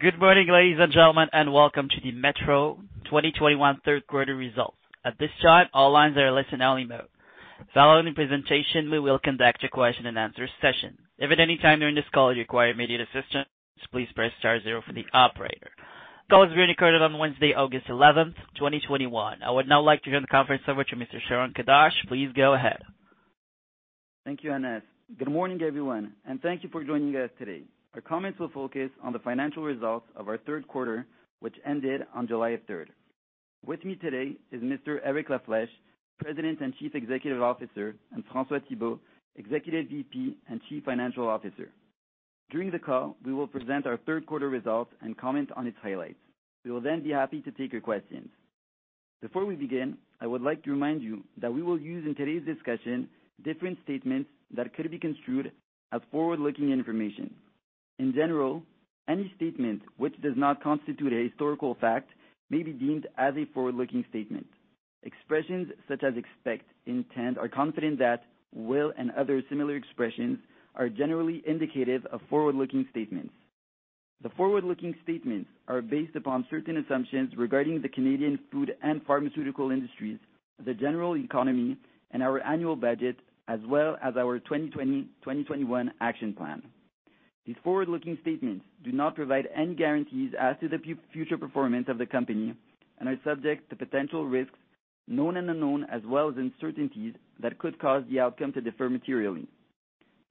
Good morning, ladies and gentlemen, and welcome to the METRO 2021 third quarter results. At this time, all lines are in listen-only mode. Following the presentation, we will conduct a question-and-answer session. If at any time during this call you require immediate assistance, please press star zero for the operator. Call is being recorded on Wednesday, August 11th, 2021. I would now like to hand the conference over to Mr. Sharon Kadoche. Please go ahead. Thank you, Anes. Good morning, everyone, and thank you for joining us today. Our comments will focus on the financial results of our third quarter, which ended on July 3rd. With me today is Mr. Eric La Flèche, President and Chief Executive Officer, and François Thibault, Executive VP and Chief Financial Officer. During the call, we will present our third quarter results and comment on its highlights. We will be happy to take your questions. Before we begin, I would like to remind you that we will use, in today's discussion, different statements that could be construed as forward-looking information. In general, any statement which does not constitute a historical fact may be deemed as a forward-looking statement. Expressions such as expect, intend, or confident that, will, and other similar expressions are generally indicative of forward-looking statements. The forward-looking statements are based upon certain assumptions regarding the Canadian food and pharmaceutical industries, the general economy, and our annual budget, as well as our 2020-2021 action plan. These forward-looking statements do not provide any guarantees as to the future performance of the company and are subject to potential risks, known and unknown, as well as uncertainties that could cause the outcome to differ materially.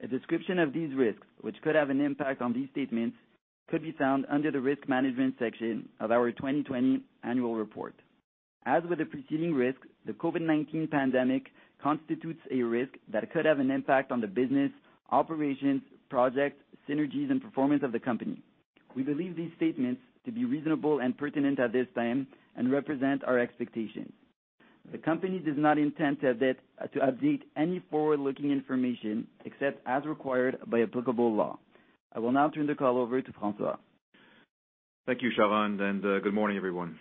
A description of these risks, which could have an impact on these statements, could be found under the risk management section of our 2020 annual report. As with the preceding risk, the COVID-19 pandemic constitutes a risk that could have an impact on the business operations, projects, synergies, and performance of the company. We believe these statements to be reasonable and pertinent at this time and represent our expectations. The company does not intend to update any forward-looking information except as required by applicable law. I will now turn the call over to François. Thank you, Sharon, and good morning, everyone.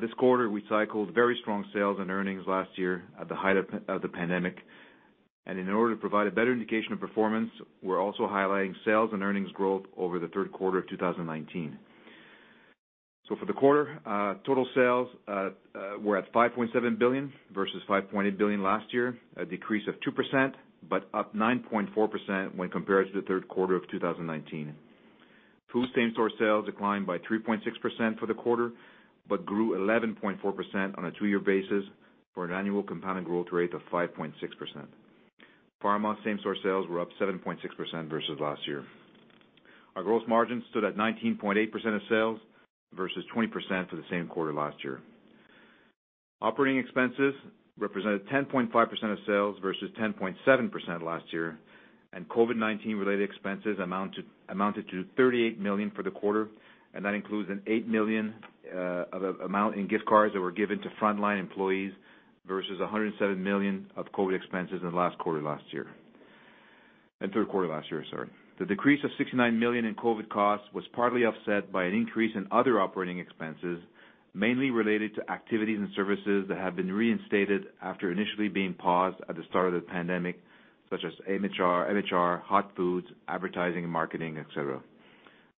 This quarter, we cycled very strong sales and earnings last year at the height of the pandemic, and in order to provide a better indication of performance, we're also highlighting sales and earnings growth over the third quarter of 2019. For the quarter, total sales were at 5.7 billion versus 5.8 billion last year, a decrease of 2%, but up 9.4% when compared to the third quarter of 2019. Food same-store sales declined by 3.6% for the quarter but grew 11.4% on a two-year basis for an annual compound growth rate of 5.6%. Pharma same-store sales were up 7.6% versus last year. Our gross margin stood at 19.8% of sales versus 20% for the same quarter last year. Operating expenses represented 10.5% of sales versus 10.7% last year. COVID-19 related expenses amounted to 38 million for the quarter, and that includes an 8 million of amount in gift cards that were given to frontline employees versus 107 million of COVID expenses in the last quarter last year. In third quarter last year, sorry. The decrease of 69 million in COVID costs was partly offset by an increase in other operating expenses, mainly related to activities and services that have been reinstated after initially being paused at the start of the pandemic, such as HMR, hot foods, advertising and marketing, et cetera.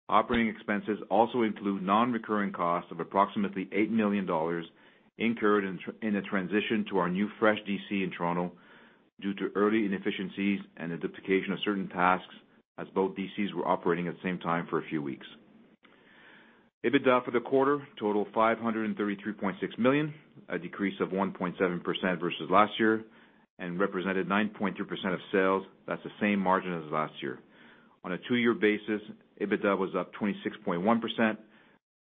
Operating expenses also include non-recurring costs of approximately 8 million dollars incurred in the transition to our new fresh DC in Toronto due to early inefficiencies and the duplication of certain tasks as both DCs were operating at the same time for a few weeks. EBITDA for the quarter totaled 533.6 million, a decrease of 1.7% versus last year and represented 9.3% of sales. That's the same margin as last year. On a two-year basis, EBITDA was up 26.1%,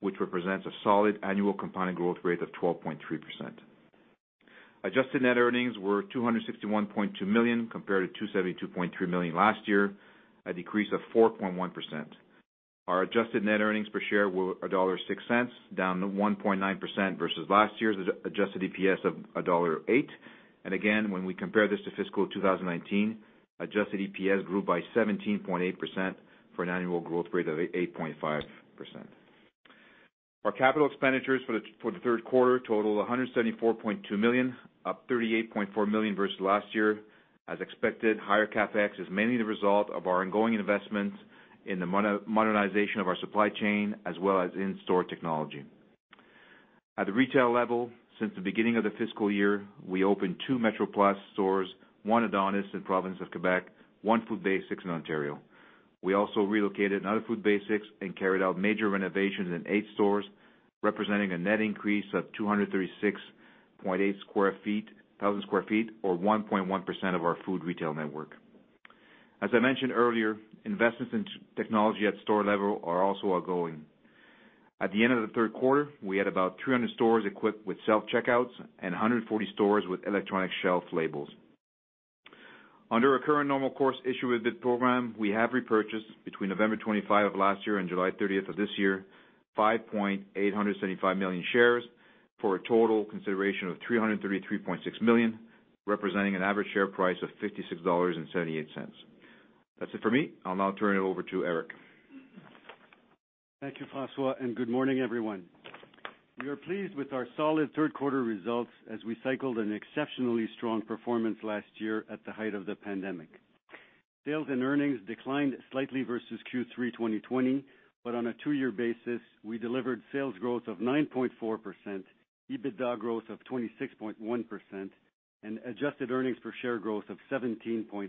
which represents a solid annual compound growth rate of 12.3%. Adjusted net earnings were 261.2 million compared to 272.3 million last year, a decrease of 4.1%. Our adjusted net earnings per share were dollar 1.06, down to 1.9% versus last year's adjusted EPS of dollar 1.08. Again, when we compare this to fiscal 2019, adjusted EPS grew by 17.8% for an annual growth rate of 8.5%. Our capital expenditures for the third quarter totaled 174.2 million, up 38.4 million versus last year. As expected, higher CapEx is mainly the result of our ongoing investments in the modernization of our supply chain, as well as in-store technology. At the retail level, since the beginning of the fiscal year, we opened two Metro Plus stores, one Adonis in province of Quebec, one Food Basics in Ontario. We also relocated another Food Basics and carried out major renovations in eight stores, representing a net increase of 236,800 sq ft or 1.1% of our food retail network. As I mentioned earlier, investments in technology at store level are also ongoing. At the end of the third quarter, we had about 300 stores equipped with self-checkouts and 140 stores with electronic shelf labels. Under our current normal course issuer bid program, we have repurchased between November 25 of last year and July 30th of this year, 5.875 million shares for a total consideration of 333.6 million, representing an average share price of 56.78 dollars. That's it for me. I'll now turn it over to Eric. Thank you, François, and good morning, everyone. We are pleased with our solid third quarter results as we cycled an exceptionally strong performance last year at the height of the pandemic. Sales and earnings declined slightly versus Q3 2020, but on a two-year basis, we delivered sales growth of 9.4%, EBITDA growth of 26.1%, and adjusted earnings per share growth of 17.8%,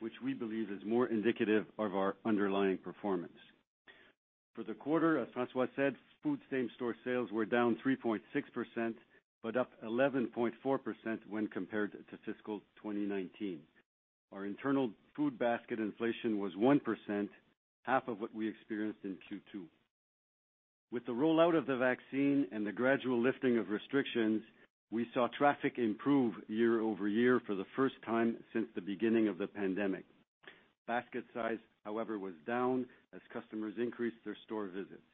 which we believe is more indicative of our underlying performance. For the quarter, as François said, food same-store sales were down 3.6%, but up 11.4% when compared to Fiscal 2019. Our internal food basket inflation was 1%, half of what we experienced in Q2. With the rollout of the vaccine and the gradual lifting of restrictions, we saw traffic improve year-over-year for the first time since the beginning of the pandemic. Basket size, however, was down as customers increased their store visits.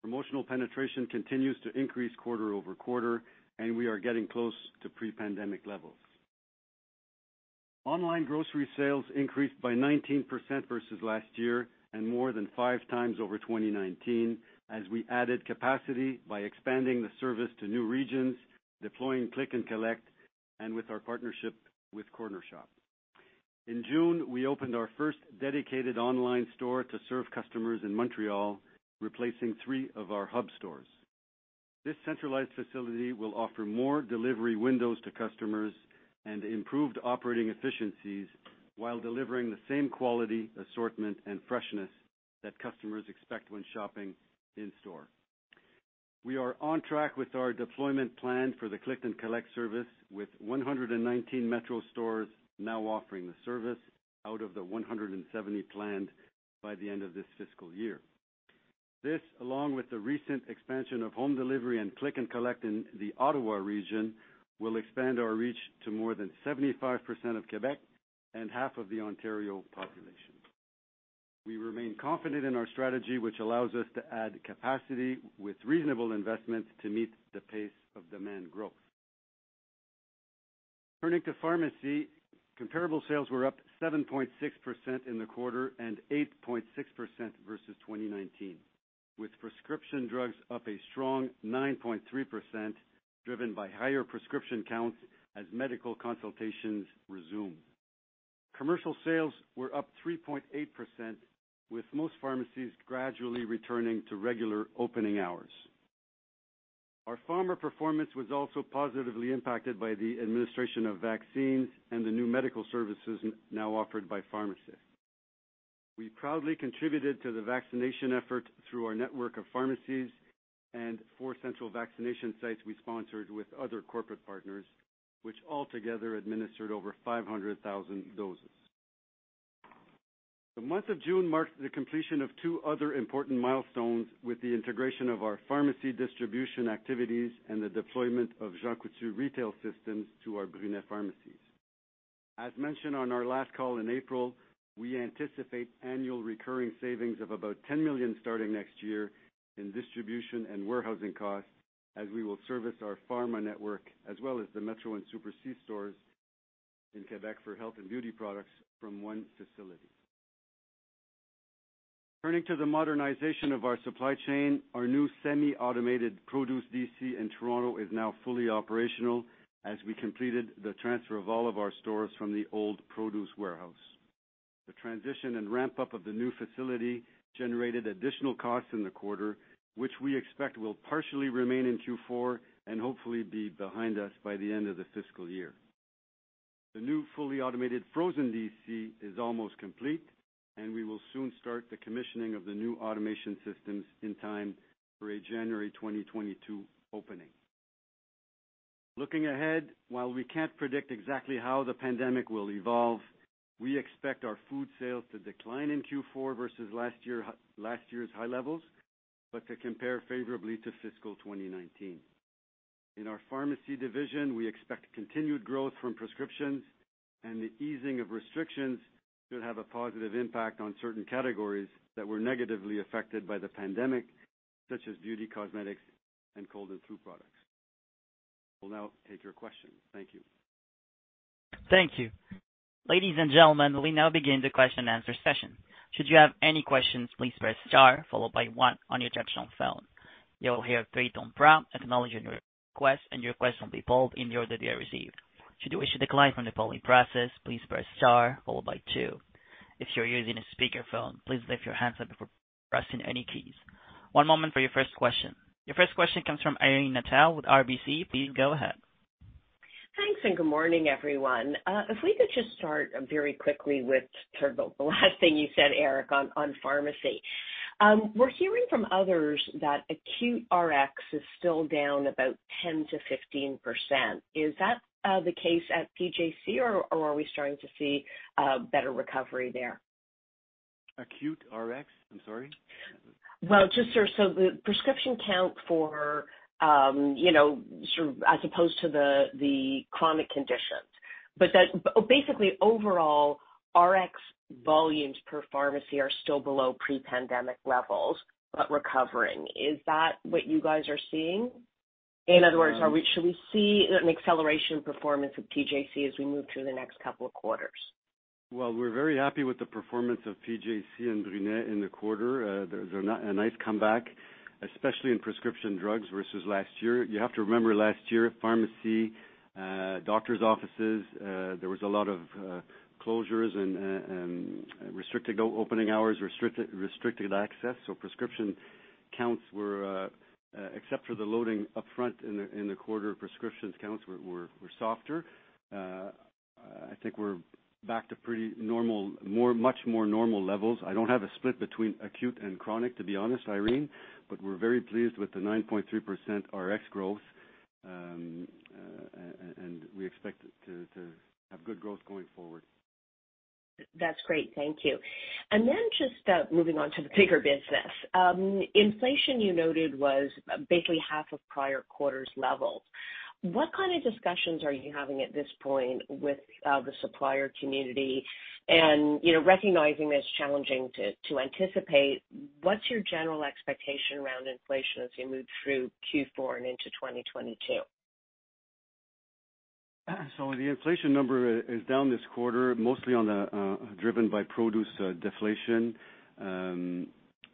Promotional penetration continues to increase quarter-over-quarter, and we are getting close to pre-pandemic levels. Online grocery sales increased by 19% versus last year and more than five times over 2019 as we added capacity by expanding the service to new regions, deploying Click & Collect, and with our partnership with Cornershop. In June, we opened our first dedicated online store to serve customers in Montreal, replacing three of our hub stores. This centralized facility will offer more delivery windows to customers and improved operating efficiencies while delivering the same quality, assortment, and freshness that customers expect when shopping in-store. We are on track with our deployment plan for the Click & Collect service, with 119 METRO stores now offering the service out of the 170 planned by the end of this fiscal year. This, along with the recent expansion of home delivery and Click & Collect in the Ottawa region, will expand our reach to more than 75% of Quebec and half of the Ontario population. We remain confident in our strategy, which allows us to add capacity with reasonable investment to meet the pace of demand growth. Turning to pharmacy, comparable sales were up 7.6% in the quarter and 8.6% versus 2019, with prescription drugs up a strong 9.3%, driven by higher prescription counts as medical consultations resume. Commercial sales were up 3.8%, with most pharmacies gradually returning to regular opening hours. Our pharma performance was also positively impacted by the administration of vaccines and the new medical services now offered by pharmacy. We proudly contributed to the vaccination effort through our network of pharmacies and four central vaccination sites we sponsored with other corporate partners, which altogether administered over 500,000 doses. The month of June marked the completion of two other important milestones with the integration of our pharmacy distribution activities and the deployment of Jean Coutu retail systems to our Brunet pharmacies. As mentioned on our last call in April, we anticipate annual recurring savings of about 10 million starting next year in distribution and warehousing costs as we will service our pharma network as well as the METRO and Super C stores in Quebec for health and beauty products from 1 facility. Turning to the modernization of our supply chain, our new semi-automated produce DC in Toronto is now fully operational as we completed the transfer of all of our stores from the old produce warehouse. The transition and ramp-up of the new facility generated additional costs in the quarter, which we expect will partially remain in Q4 and hopefully be behind us by the end of the fiscal year. The new fully automated frozen DC is almost complete, and we will soon start the commissioning of the new automation systems in time for a January 2022 opening. Looking ahead, while we can't predict exactly how the pandemic will evolve, we expect our food sales to decline in Q4 versus last year's high levels, but to compare favorably to fiscal 2019. In our pharmacy division, we expect continued growth from prescriptions, and the easing of restrictions should have a positive impact on certain categories that were negatively affected by the pandemic, such as beauty, cosmetics, and cold and flu products. We'll now take your questions. Thank you. Thank you. Ladies and gentlemen, we now begin the question-and-answer session. Should you have any questions, please press star, followed by one on your touch-tone phone. You'll hear three-tone prompt to acknowledge your request and your request will be pulled in the order they are received. Should you wish to decline from the polling process, please press star followed by two. If you're using a speakerphone, please lift your hands up before pressing any keys. One moment for your first question. One moment for your first question. Your first question comes from Irene Nattel with RBC. Please go ahead. Thanks, good morning, everyone. If we could just start very quickly with sort of the last thing you said, Eric, on pharmacy. We're hearing from others that acute Rx is still down about 10%-15%. Is that the case at PJC, or are we starting to see better recovery there? Acute Rx? I'm sorry. Well, just so the prescription count for as opposed to the chronic conditions, but basically, overall Rx volumes per pharmacy are still below pre-pandemic levels, but recovering. Is that what you guys are seeing? In other words, should we see an acceleration performance of PJC as we move through the next couple of quarters? Well, we're very happy with the performance of PJC and Brunet in the quarter. They're a nice comeback, especially in prescription drugs versus last year. You have to remember, last year, pharmacy, doctor's offices, there was a lot of closures and restricted opening hours, restricted access. Prescription counts, except for the loading upfront in the quarter, prescription counts were softer. I think we're back to much more normal levels. I don't have a split between acute and chronic, to be honest, Irene, but we're very pleased with the 9.3% Rx growth, and we expect to have good growth going forward. That's great. Thank you. Then just moving on to the bigger business. Inflation, you noted, was basically half of prior quarter's levels. What kind of discussions are you having at this point with the supplier community? Recognizing that it's challenging to anticipate, what's your general expectation around inflation as you move through Q4 and into 2022? The inflation number is down this quarter, mostly driven by produce deflation.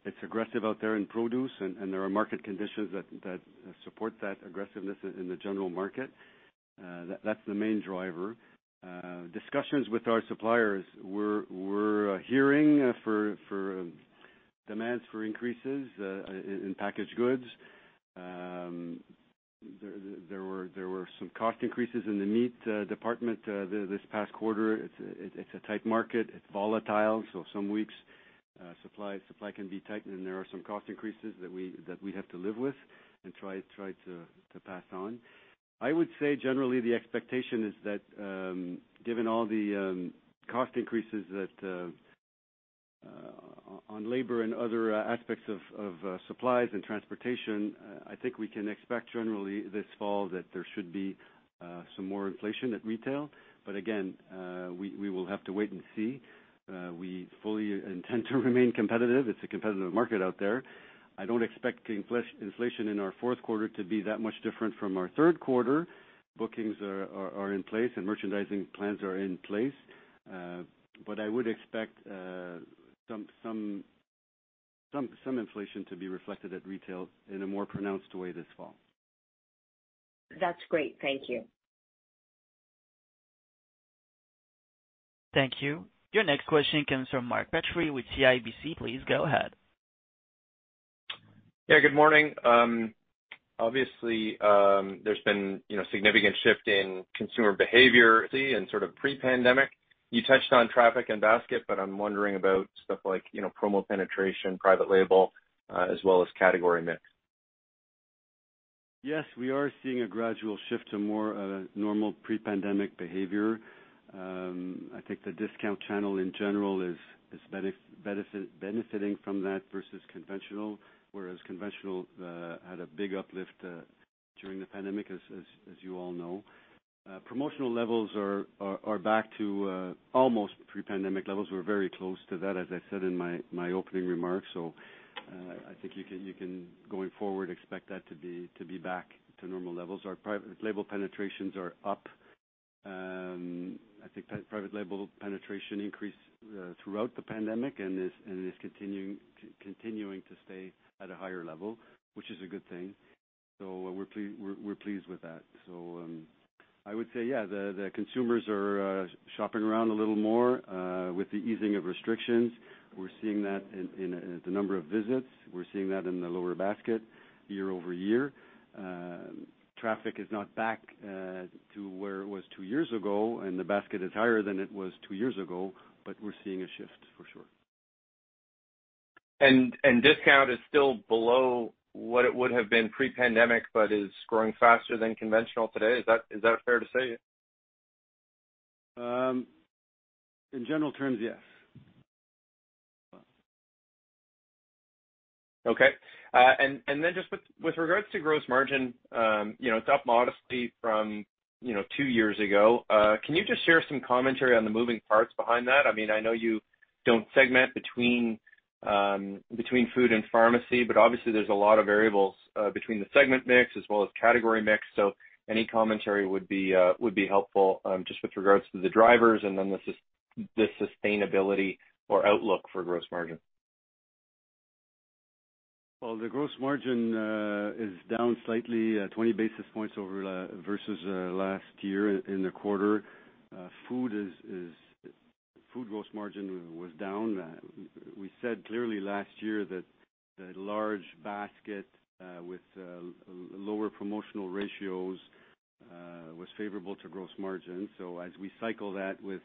It's aggressive out there in produce, and there are market conditions that support that aggressiveness in the general market. That's the main driver. Discussions with our suppliers, we're hearing demands for increases in packaged goods. There were some cost increases in the meat department this past quarter. It's a tight market. It's volatile. Some weeks, supply can be tight, and there are some cost increases that we have to live with and try to pass on. I would say, generally, the expectation is that given all the cost increases on labor and other aspects of supplies and transportation, I think we can expect generally this fall that there should be some more inflation at retail. Again, we will have to wait and see. We fully intend to remain competitive. It's a competitive market out there. I don't expect inflation in our fourth quarter to be that much different from our third quarter. Bookings are in place, and merchandising plans are in place. I would expect some inflation to be reflected at retail in a more pronounced way this fall. That's great. Thank you. Thank you. Your next question comes from Mark Petrie with CIBC. Please go ahead. Yeah, good morning. Obviously, there's been significant shift in consumer behavior and sort of pre-pandemic. You touched on traffic and basket, but I'm wondering about stuff like promo penetration, private label, as well as category mix. Yes, we are seeing a gradual shift to more normal pre-pandemic behavior. I think the discount channel, in general, is benefiting from that versus conventional, whereas conventional had a big uplift during the pandemic, as you all know. Promotional levels are back to almost pre-pandemic levels. We're very close to that, as I said in my opening remarks. I think you can, going forward, expect that to be back to normal levels. Our private label penetrations are up. I think private label penetration increased throughout the pandemic and is continuing to stay at a higher level, which is a good thing. We're pleased with that. I would say, yeah, the consumers are shopping around a little more with the easing of restrictions. We're seeing that in the number of visits. We're seeing that in the lower basket year-over-year. Traffic is not back to where it was two years ago, and the basket is higher than it was two years ago, but we're seeing a shift, for sure. Discount is still below what it would have been pre-pandemic but is growing faster than conventional today. Is that fair to say? In general terms, yes. Okay. Just with regards to gross margin, it's up modestly from two years ago. Can you just share some commentary on the moving parts behind that? I know you don't segment between food and pharmacy. Obviously, there's a lot of variables between the segment mix as well as category mix. Any commentary would be helpful just with regards to the drivers and then the sustainability or outlook for gross margin. Well, the gross margin is down slightly, 20 basis points versus last year in the quarter. Food gross margin was down. We said clearly last year that the large basket with lower promotional ratios was favorable to gross margin. As we cycle that with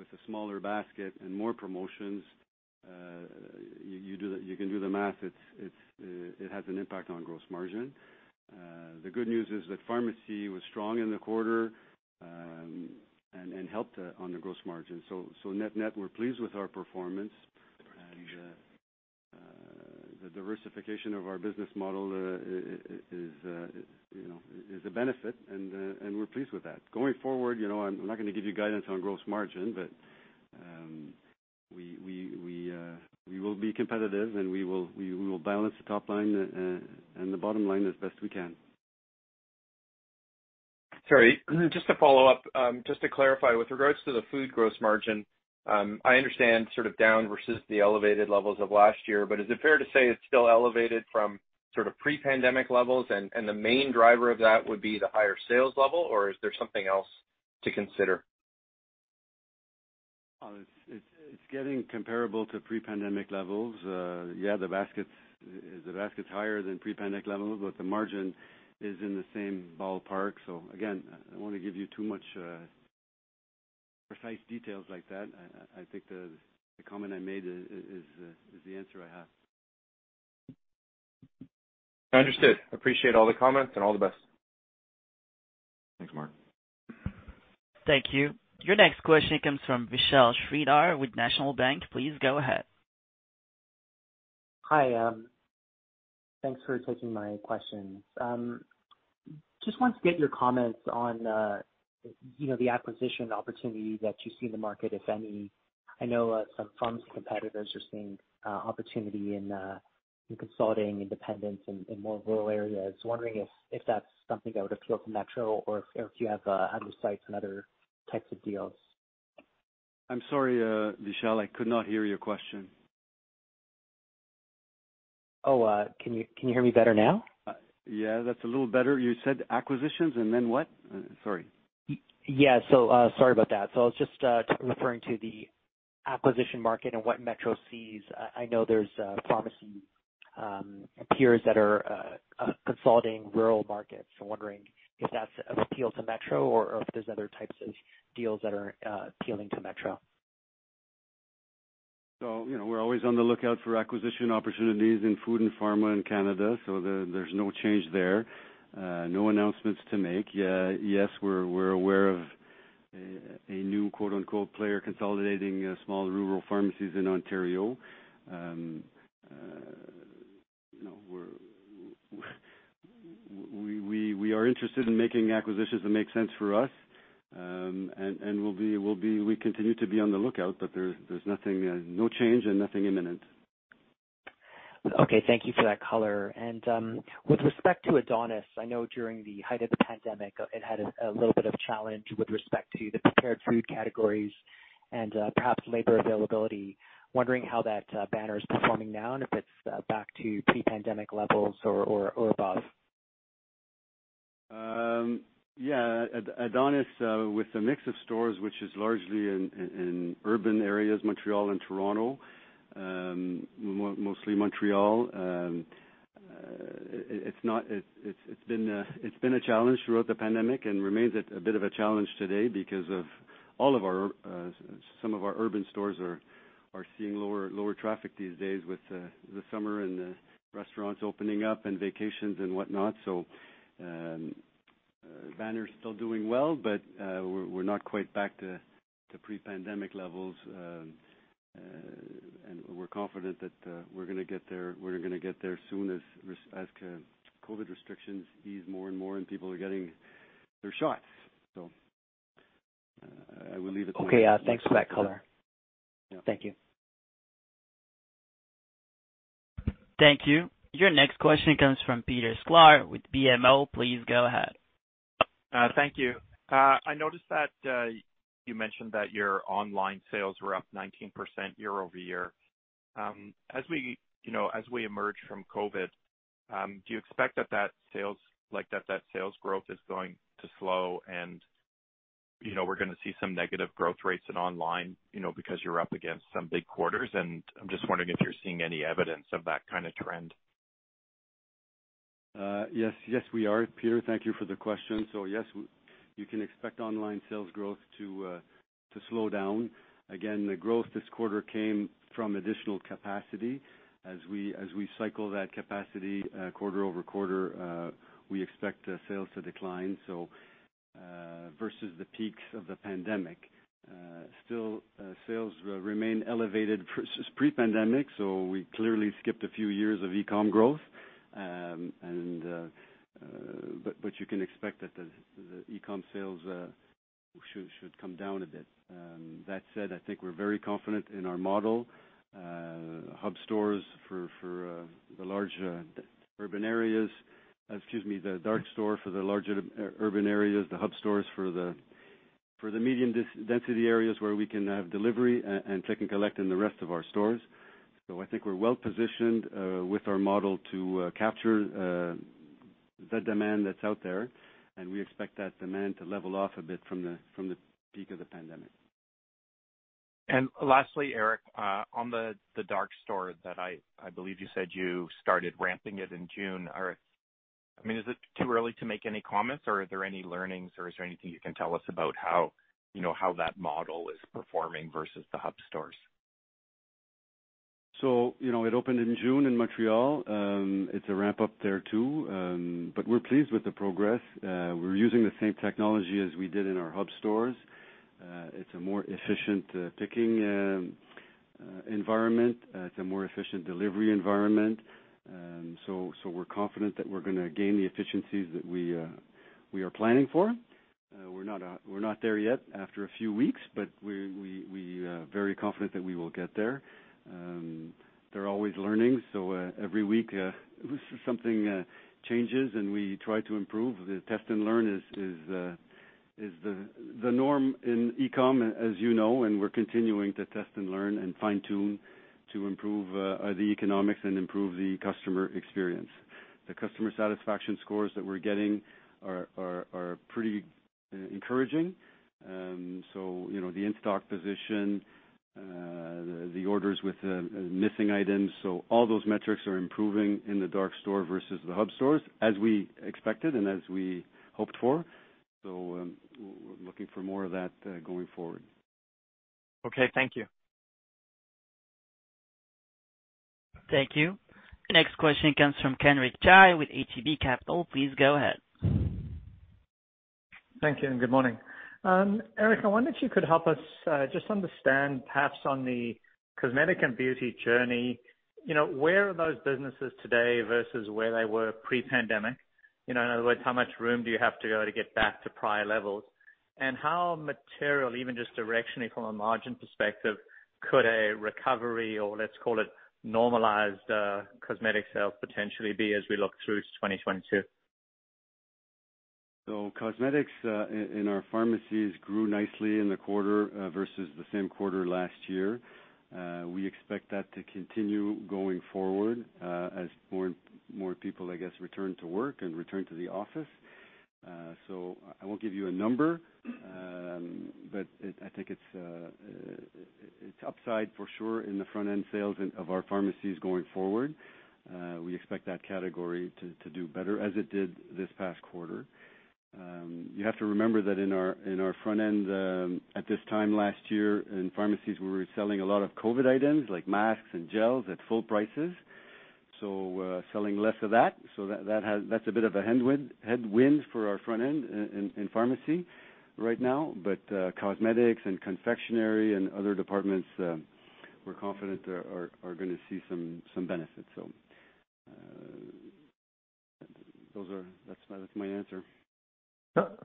a smaller basket and more promotions, you can do the math. It has an impact on gross margin. The good news is that pharmacy was strong in the quarter and helped on the gross margin. Net-net, we're pleased with our performance, and the diversification of our business model is a benefit, and we're pleased with that. Going forward, I'm not going to give you guidance on gross margin. We will be competitive, and we will balance the top line and the bottom line as best we can. Sorry, just to follow up, just to clarify, with regards to the food gross margin, I understand sort of down versus the elevated levels of last year. Is it fair to say it's still elevated from sort of pre-pandemic levels and the main driver of that would be the higher sales level, or is there something else to consider? It's getting comparable to pre-pandemic levels. Yeah, the basket is higher than pre-pandemic levels, but the margin is in the same ballpark. Again, I don't want to give you too much precise details like that. I think the comment I made is the answer I have. Understood. Appreciate all the comments and all the best. Thanks, Mark. Thank you. Your next question comes from Vishal Shreedhar with National Bank. Please go ahead. Hi. Thanks for taking my questions. I just wanted to get your comments on the acquisition opportunity that you see in the market, if any. I know some firms and competitors are seeing opportunity in consolidating independents in more rural areas. I am wondering if that's something that would appeal to METRO or if you have other sights on other types of deals. I'm sorry, Vishal. I could not hear your question. Oh, can you hear me better now? Yeah, that's a little better. You said acquisitions and then what? Sorry. Yeah. Sorry about that. I was just referring to the acquisition market and what METRO sees. I know there's promising peers that are consolidating rural markets. I'm wondering if that's of appeal to METRO or if there's other types of deals that are appealing to METRO. We're always on the lookout for acquisition opportunities in food and pharma in Canada, so there's no change there. No announcements to make. We're aware of a new, quote-unquote, player consolidating small rural pharmacies in Ontario. We are interested in making acquisitions that make sense for us. We continue to be on the lookout, but there's no change and nothing imminent. Okay. Thank you for that color. With respect to Adonis, I know during the height of the pandemic, it had a little bit of challenge with respect to the prepared food categories and perhaps labor availability. Wondering how that banner is performing now and if it's back to pre-pandemic levels or above? Yeah. Adonis, with the mix of stores, which is largely in urban areas, Montreal and Toronto, mostly Montreal, it's been a challenge throughout the pandemic and remains a bit of a challenge today because of some of our urban stores are seeing lower traffic these days with the summer and the restaurants opening up and vacations and whatnot. Banner's still doing well, but we're not quite back to pre-pandemic levels. We're confident that we're gonna get there soon as COVID restrictions ease more and more and people are getting their shots. I will leave it there. Okay. Thanks for that color. Yeah. Thank you. Thank you. Your next question comes from Peter Sklar with BMO. Please go ahead. Thank you. I noticed that you mentioned that your online sales were up 19% year-over-year. As we emerge from COVID-19, do you expect that sales growth is going to slow and we're gonna see some negative growth rates in online, because you're up against some big quarters, and I'm just wondering if you're seeing any evidence of that kind of trend. Yes, we are, Peter. Thank you for the question. Yes, you can expect online sales growth to slow down. Again, the growth this quarter came from additional capacity. As we cycle that capacity quarter-over-quarter, we expect sales to decline, so versus the peaks of the pandemic. Still, sales remain elevated versus pre-pandemic, so we clearly skipped a few years of e-com growth. You can expect that the e-com sales should come down a bit. That said, I think we're very confident in our model, hub stores for the large urban areas. Excuse me, the dark store for the larger urban areas, the hub stores for the medium density areas where we can have delivery and Click & Collect in the rest of our stores. I think we're well-positioned, with our model to capture the demand that's out there, and we expect that demand to level off a bit from the peak of the pandemic. Lastly, Eric, on the dark store that I believe you said you started ramping it in June. Is it too early to make any comments, or are there any learnings, or is there anything you can tell us about how that model is performing versus the hub stores? It opened in June in Montreal. It's a ramp-up there, too, but we're pleased with the progress. We're using the same technology as we did in our hub stores. It's a more efficient picking environment. It's a more efficient delivery environment. We're confident that we're going to gain the efficiencies that we are planning for. We're not there yet after a few weeks, but we are very confident that we will get there. There are always learnings, so every week something changes, and we try to improve. The test and learn is the norm in e-com, as you know, and we're continuing to test and learn and fine-tune to improve the economics and improve the customer experience. The customer satisfaction scores that we're getting are pretty encouraging, the in-stock position, the orders with missing items. All those metrics are improving in the dark store versus the hub stores as we expected and as we hoped for. We're looking for more of that going forward. Okay, thank you. Thank you. Next question comes from Kenric Tyghe with ATB Capital. Please go ahead. Thank you and good morning. Eric, I wonder if you could help us just understand perhaps on the cosmetic and beauty journey, where are those businesses today versus where they were pre-pandemic? In other words, how much room do you have to go to get back to prior levels? How material, even just directionally from a margin perspective, could a recovery, or let's call it normalized cosmetics sales potentially be as we look through 2022. Cosmetics in our pharmacies grew nicely in the quarter versus the same quarter last year. We expect that to continue going forward as more people, I guess, return to work and return to the office. I won't give you a number, but I think it's upside for sure in the front-end sales of our pharmacies going forward. We expect that category to do better as it did this past quarter. You have to remember that in our front end at this time last year in pharmacies, we were selling a lot of COVID-19 items like masks and gels at full prices. Selling less of that. That's a bit of a headwind for our front end in pharmacy right now. Cosmetics and confectionary and other departments, we're confident are going to see some benefits. That's my answer.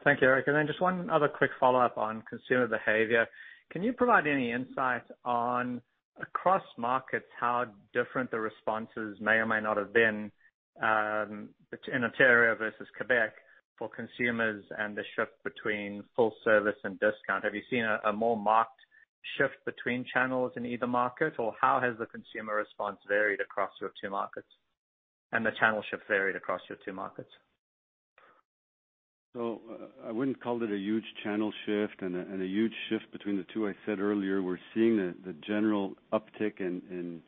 Thank you, Eric. Just one other quick follow-up on consumer behavior. Can you provide any insight on across markets, how different the responses may or may not have been in Ontario versus Quebec for consumers and the shift between full service and discount? Have you seen a more marked shift between channels in either market, or how has the consumer response varied across your two markets and the channel shift varied across your two markets? I wouldn't call it a huge channel shift and a huge shift between the two. I said earlier we're seeing the general uptick in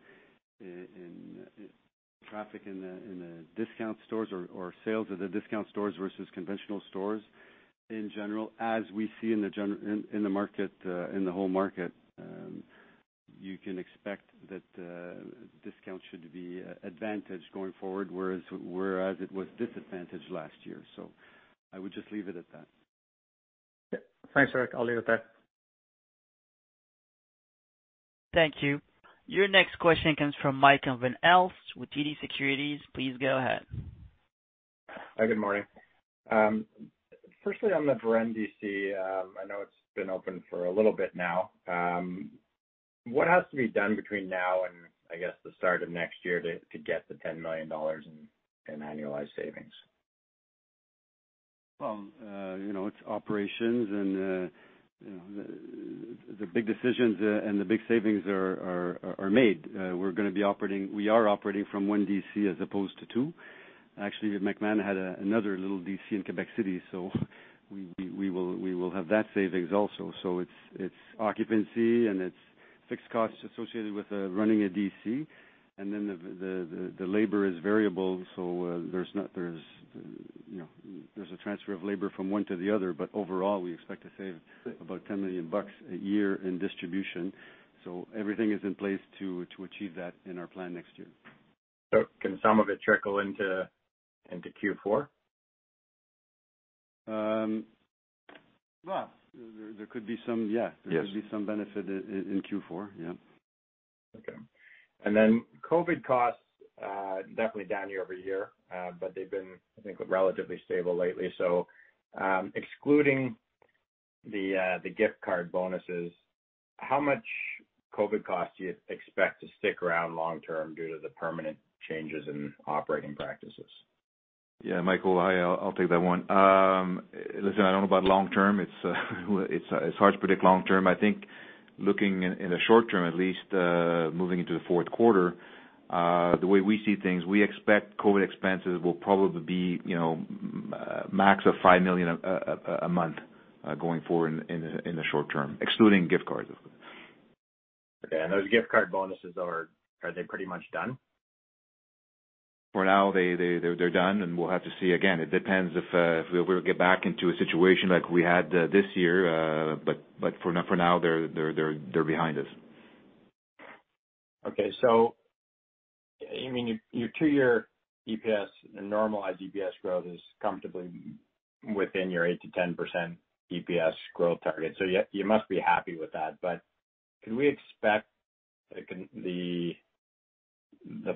traffic in the discount stores or sales at the discount stores versus conventional stores in general as we see in the whole market. You can expect that discount should be advantage going forward, whereas it was disadvantage last year. I would just leave it at that. Yeah. Thanks, Eric. I'll leave it there. Thank you. Your next question comes from Michael Van Aelst with TD Securities. Please go ahead. Hi, good morning. Firstly, on the Varennes DC, I know it's been open for a little bit now. What has to be done between now and, I guess, the start of next year to get the 10 million dollars in annualized savings? Well, it's operations and the big decisions and the big savings are made. We are operating from one DC as opposed to two. Actually, McMahon had another little DC in Quebec City. We will have that savings also. It's occupancy and it's fixed costs associated with running a DC. The labor is variable, so there's a transfer of labor from one to the other. Overall, we expect to save about 10 million bucks a year in distribution. Everything is in place to achieve that in our plan next year. Can some of it trickle into Q4? Well, there could be some, yeah. Yes. There could be some benefit in Q4. Yeah. Okay. COVID costs definitely down year-over-year, but they've been, I think, relatively stable lately. Excluding the gift card bonuses, how much COVID costs do you expect to stick around long term due to the permanent changes in operating practices? Yeah, Michael. Hi, I'll take that one. Listen, I don't know about long term. It's hard to predict long term. I think looking in the short term at least, moving into the fourth quarter, the way we see things, we expect COVID-19 expenses will probably be max of 5 million a month, going forward in the short-term, excluding gift cards, of course. Okay, those gift card bonuses, are they pretty much done? For now, they're done, and we'll have to see again. It depends if we ever get back into a situation like we had this year. For now, they're behind us. Okay. You mean your two-year EPS, normalized EPS growth is comfortably within your 8%-10% EPS growth target, you must be happy with that. Can we expect the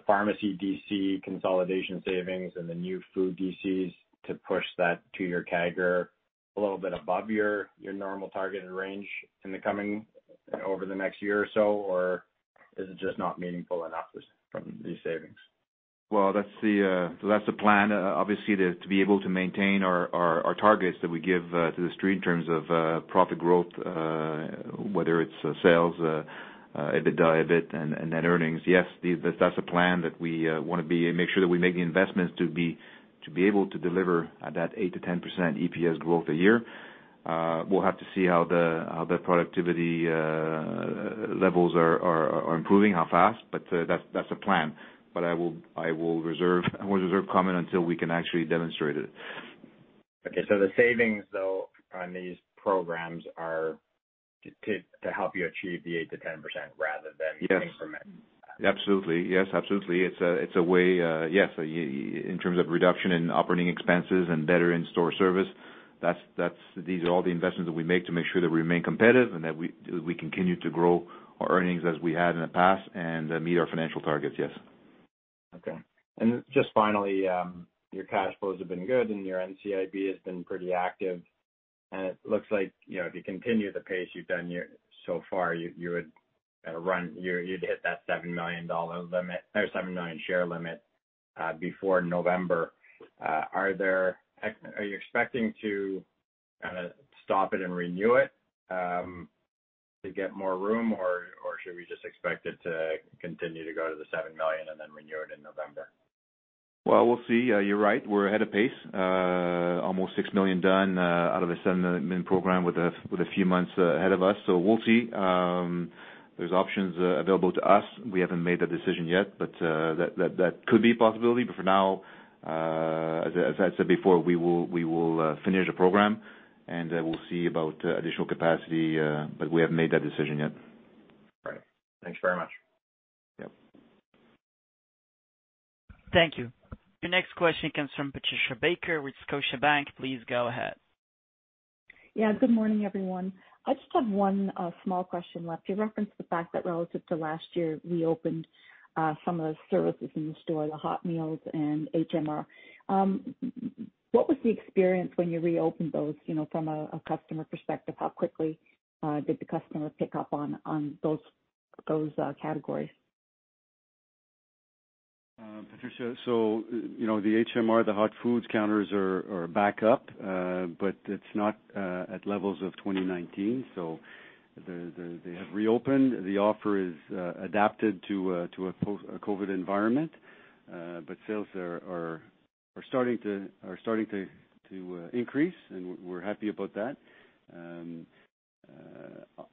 pharmacy DC consolidation savings and the new food DCs to push that to your CAGR a little bit above your normal targeted range over the next year or so? Or is it just not meaningful enough from these savings? Well, that's the plan, obviously, to be able to maintain our targets that we give to The Street in terms of profit growth, whether it's sales, EBITDA, EBIT, and net earnings. Yes, that's the plan that we want to be, make sure that we make the investments to be able to deliver at that 8%-10% EPS growth a year. We'll have to see how the productivity levels are improving, how fast, but that's the plan. I will reserve comment until we can actually demonstrate it. Okay. The savings though, on these programs, are to help you achieve the 8%-10% rather than. Yes coming from it. Absolutely. Yes, absolutely. It's a way, yes, in terms of reduction in operating expenses and better in-store service, these are all the investments that we make to make sure that we remain competitive and that we continue to grow our earnings as we had in the past and meet our financial targets, yes. Okay. Just finally, your cash flows have been good and your NCIB has been pretty active. It looks like if you continue the pace you've done so far, you'd hit that 7 million share limit before November. Are you expecting to stop it and renew it to get more room, or should we just expect it to continue to go to the 7 million and then renew it in November? Well, we'll see. You're right, we're ahead of pace. Almost 6 million done out of a 7 million program with a few months ahead of us. We'll see. There's options available to us. We haven't made that decision yet, but that could be a possibility. For now, as I said before, we will finish the program, and we'll see about additional capacity, but we haven't made that decision yet. Right. Thanks very much. Yep. Thank you. Your next question comes from Patricia Baker with Scotiabank. Please go ahead. Yeah, good morning, everyone. I just have one small question left. You referenced the fact that relative to last year, reopened some of the services in the store, the hot meals, and HMR. What was the experience when you reopened those from a customer perspective? How quickly did the customer pick up on those categories? Patricia, the HMR, the hot foods counters are back up, but it's not at levels of 2019. They have reopened. The offer is adapted to a COVID environment. Sales are starting to increase, and we're happy about that.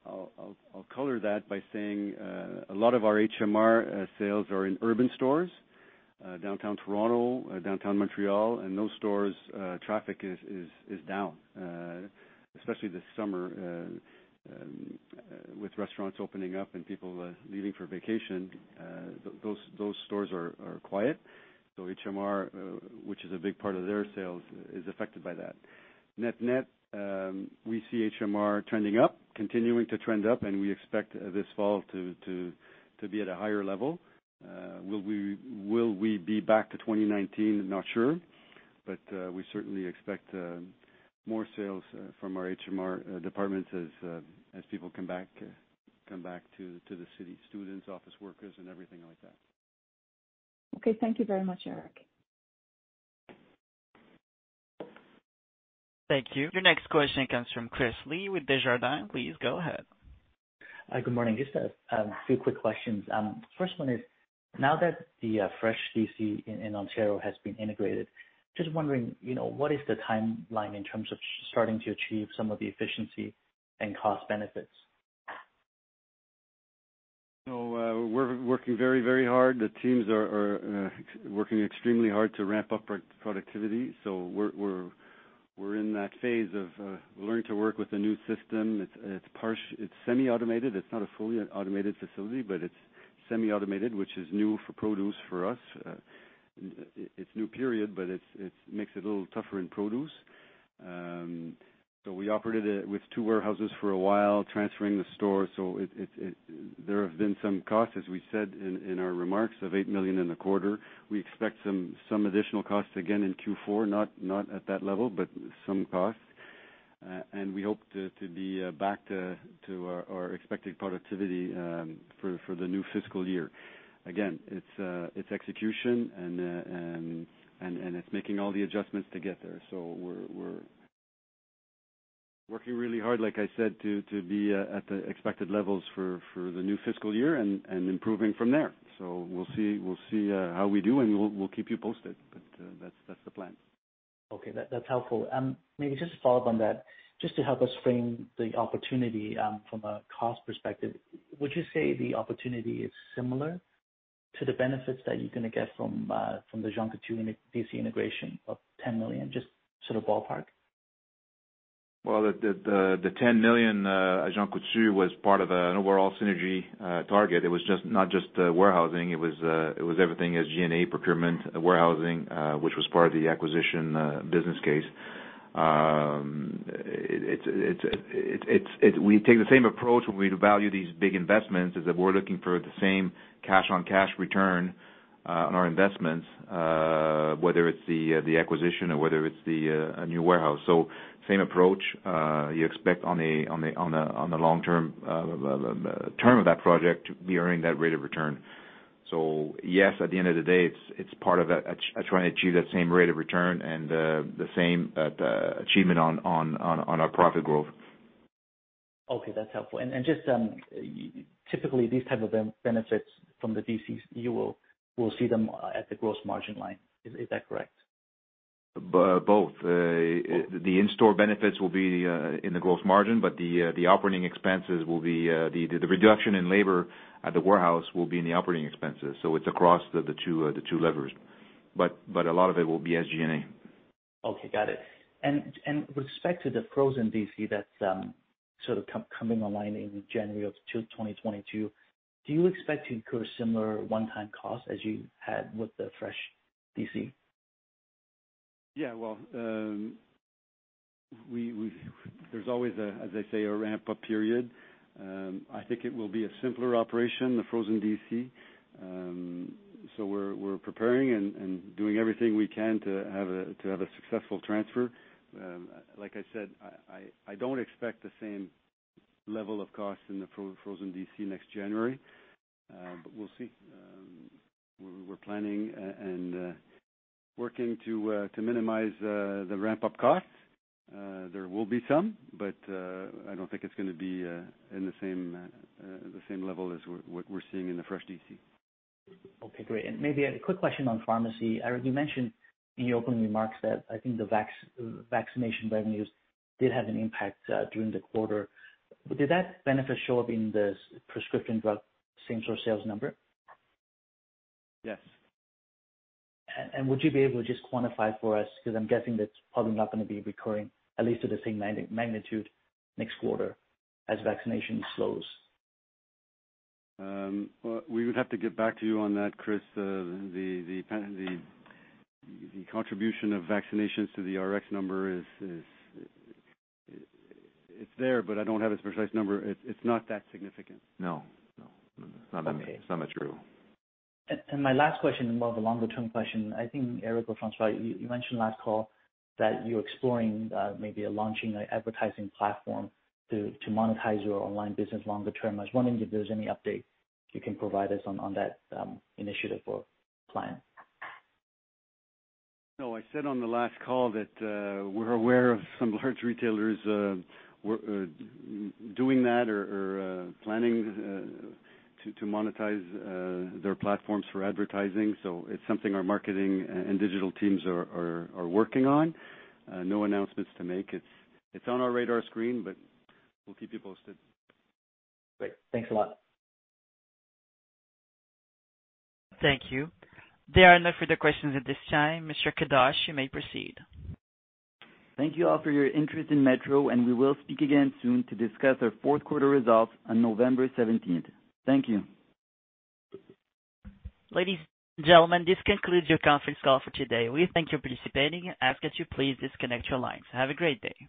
I'll color that by saying a lot of our HMR sales are in urban stores, Downtown Toronto, Downtown Montreal, and those stores' traffic is down, especially this summer, with restaurants opening up and people leaving for vacation. Those stores are quiet. HMR, which is a big part of their sales, is affected by that. Net-net, we see HMR trending up, continuing to trend up, and we expect this fall to be at a higher level. Will we be back to 2019? Not sure. We certainly expect more sales from our HMR departments as people come back to the city, students, office workers, and everything like that. Okay. Thank you very much, Eric. Thank you. Your next question comes from Chris Li with Desjardins. Please go ahead. Good morning. Just a few quick questions. First one is, now that the fresh DC in Ontario has been integrated, just wondering, what is the timeline in terms of starting to achieve some of the efficiency and cost benefits? We're working very hard. The teams are working extremely hard to ramp up our productivity. We're in that phase of learning to work with a new system. It's semi-automated. It's not a fully automated facility, but it's semi-automated, which is new for produce for us. It's new, period, but it makes it a little tougher in produce. We operated it with two warehouses for a while, transferring the store, so there have been some costs, as we said in our remarks, of 8 million in the quarter. We expect some additional costs again in Q4, not at that level, but some costs. We hope to be back to our expected productivity for the new fiscal year. Again, it's execution and it's making all the adjustments to get there. We're working really hard, like I said, to be at the expected levels for the new fiscal year and improving from there. We'll see how we do, and we'll keep you posted, but that's the plan. Okay. That's helpful. Maybe just to follow-up on that, just to help us frame the opportunity from a cost perspective, would you say the opportunity is similar to the benefits that you're going to get from the Jean Coutu DC integration of 10 million, just sort of ballpark? Well, the 10 million Jean Coutu was part of an overall synergy target. It was not just warehousing, it was everything as G&A procurement, warehousing, which was part of the acquisition business case. We take the same approach when we value these big investments, is that we're looking for the same cash-on-cash return on our investments, whether it's the acquisition or whether it's a new warehouse. Same approach, you expect on the long-term of that project to be earning that rate of return. Yes, at the end of the day, it's part of trying to achieve that same rate of return and the same achievement on our profit growth. Okay, that's helpful. Just, typically these type of benefits from the DCs, you will see them at the gross margin line. Is that correct? Both. The in-store benefits will be in the gross margin, but the reduction in labor at the warehouse will be in the operating expenses. It's across the two levers. A lot of it will be SG&A. Okay, got it. With respect to the frozen DC that's sort of coming online in January of 2022, do you expect to incur similar one-time costs as you had with the fresh DC? Yeah, well, there's always, as I say, a ramp-up period. I think it will be a simpler operation, the frozen DC. We're preparing and doing everything we can to have a successful transfer. Like I said, I don't expect the same level of cost in the frozen DC next January, but we'll see. We're planning and working to minimize the ramp-up costs. There will be some, but I don't think it's gonna be in the same level as what we're seeing in the fresh DC. Okay, great. Maybe a quick question on pharmacy. Eric, you mentioned in your opening remarks that I think the vaccination revenues did have an impact during the quarter. Did that benefit show up in the prescription drug same-store sales number? Yes. Would you be able to just quantify for us, because I'm guessing that it's probably not gonna be recurring, at least to the same magnitude next quarter as vaccination slows? Well, we would have to get back to you on that, Chris. The contribution of vaccinations to the Rx number is there, but I don't have its precise number. It's not that significant. No. It's not material. Okay. My last question, more of a longer-term question. I think Eric or François, you mentioned last call that you're exploring maybe launching an advertising platform to monetize your online business longer term. I was wondering if there's any update you can provide us on that initiative or plan. No, I said on the last call that we're aware of some large retailers doing that or planning to monetize their platforms for advertising. It's something our marketing and digital teams are working on. No announcements to make. It's on our radar screen, but we'll keep you posted. Great. Thanks a lot. Thank you. There are no further questions at this time. Mr. Kadoche, you may proceed. Thank you all for your interest in METRO, and we will speak again soon to discuss our fourth quarter results on November 17th. Thank you. Ladies and gentlemen, this concludes your conference call for today. We thank you for participating and ask that you please disconnect your lines. Have a great day.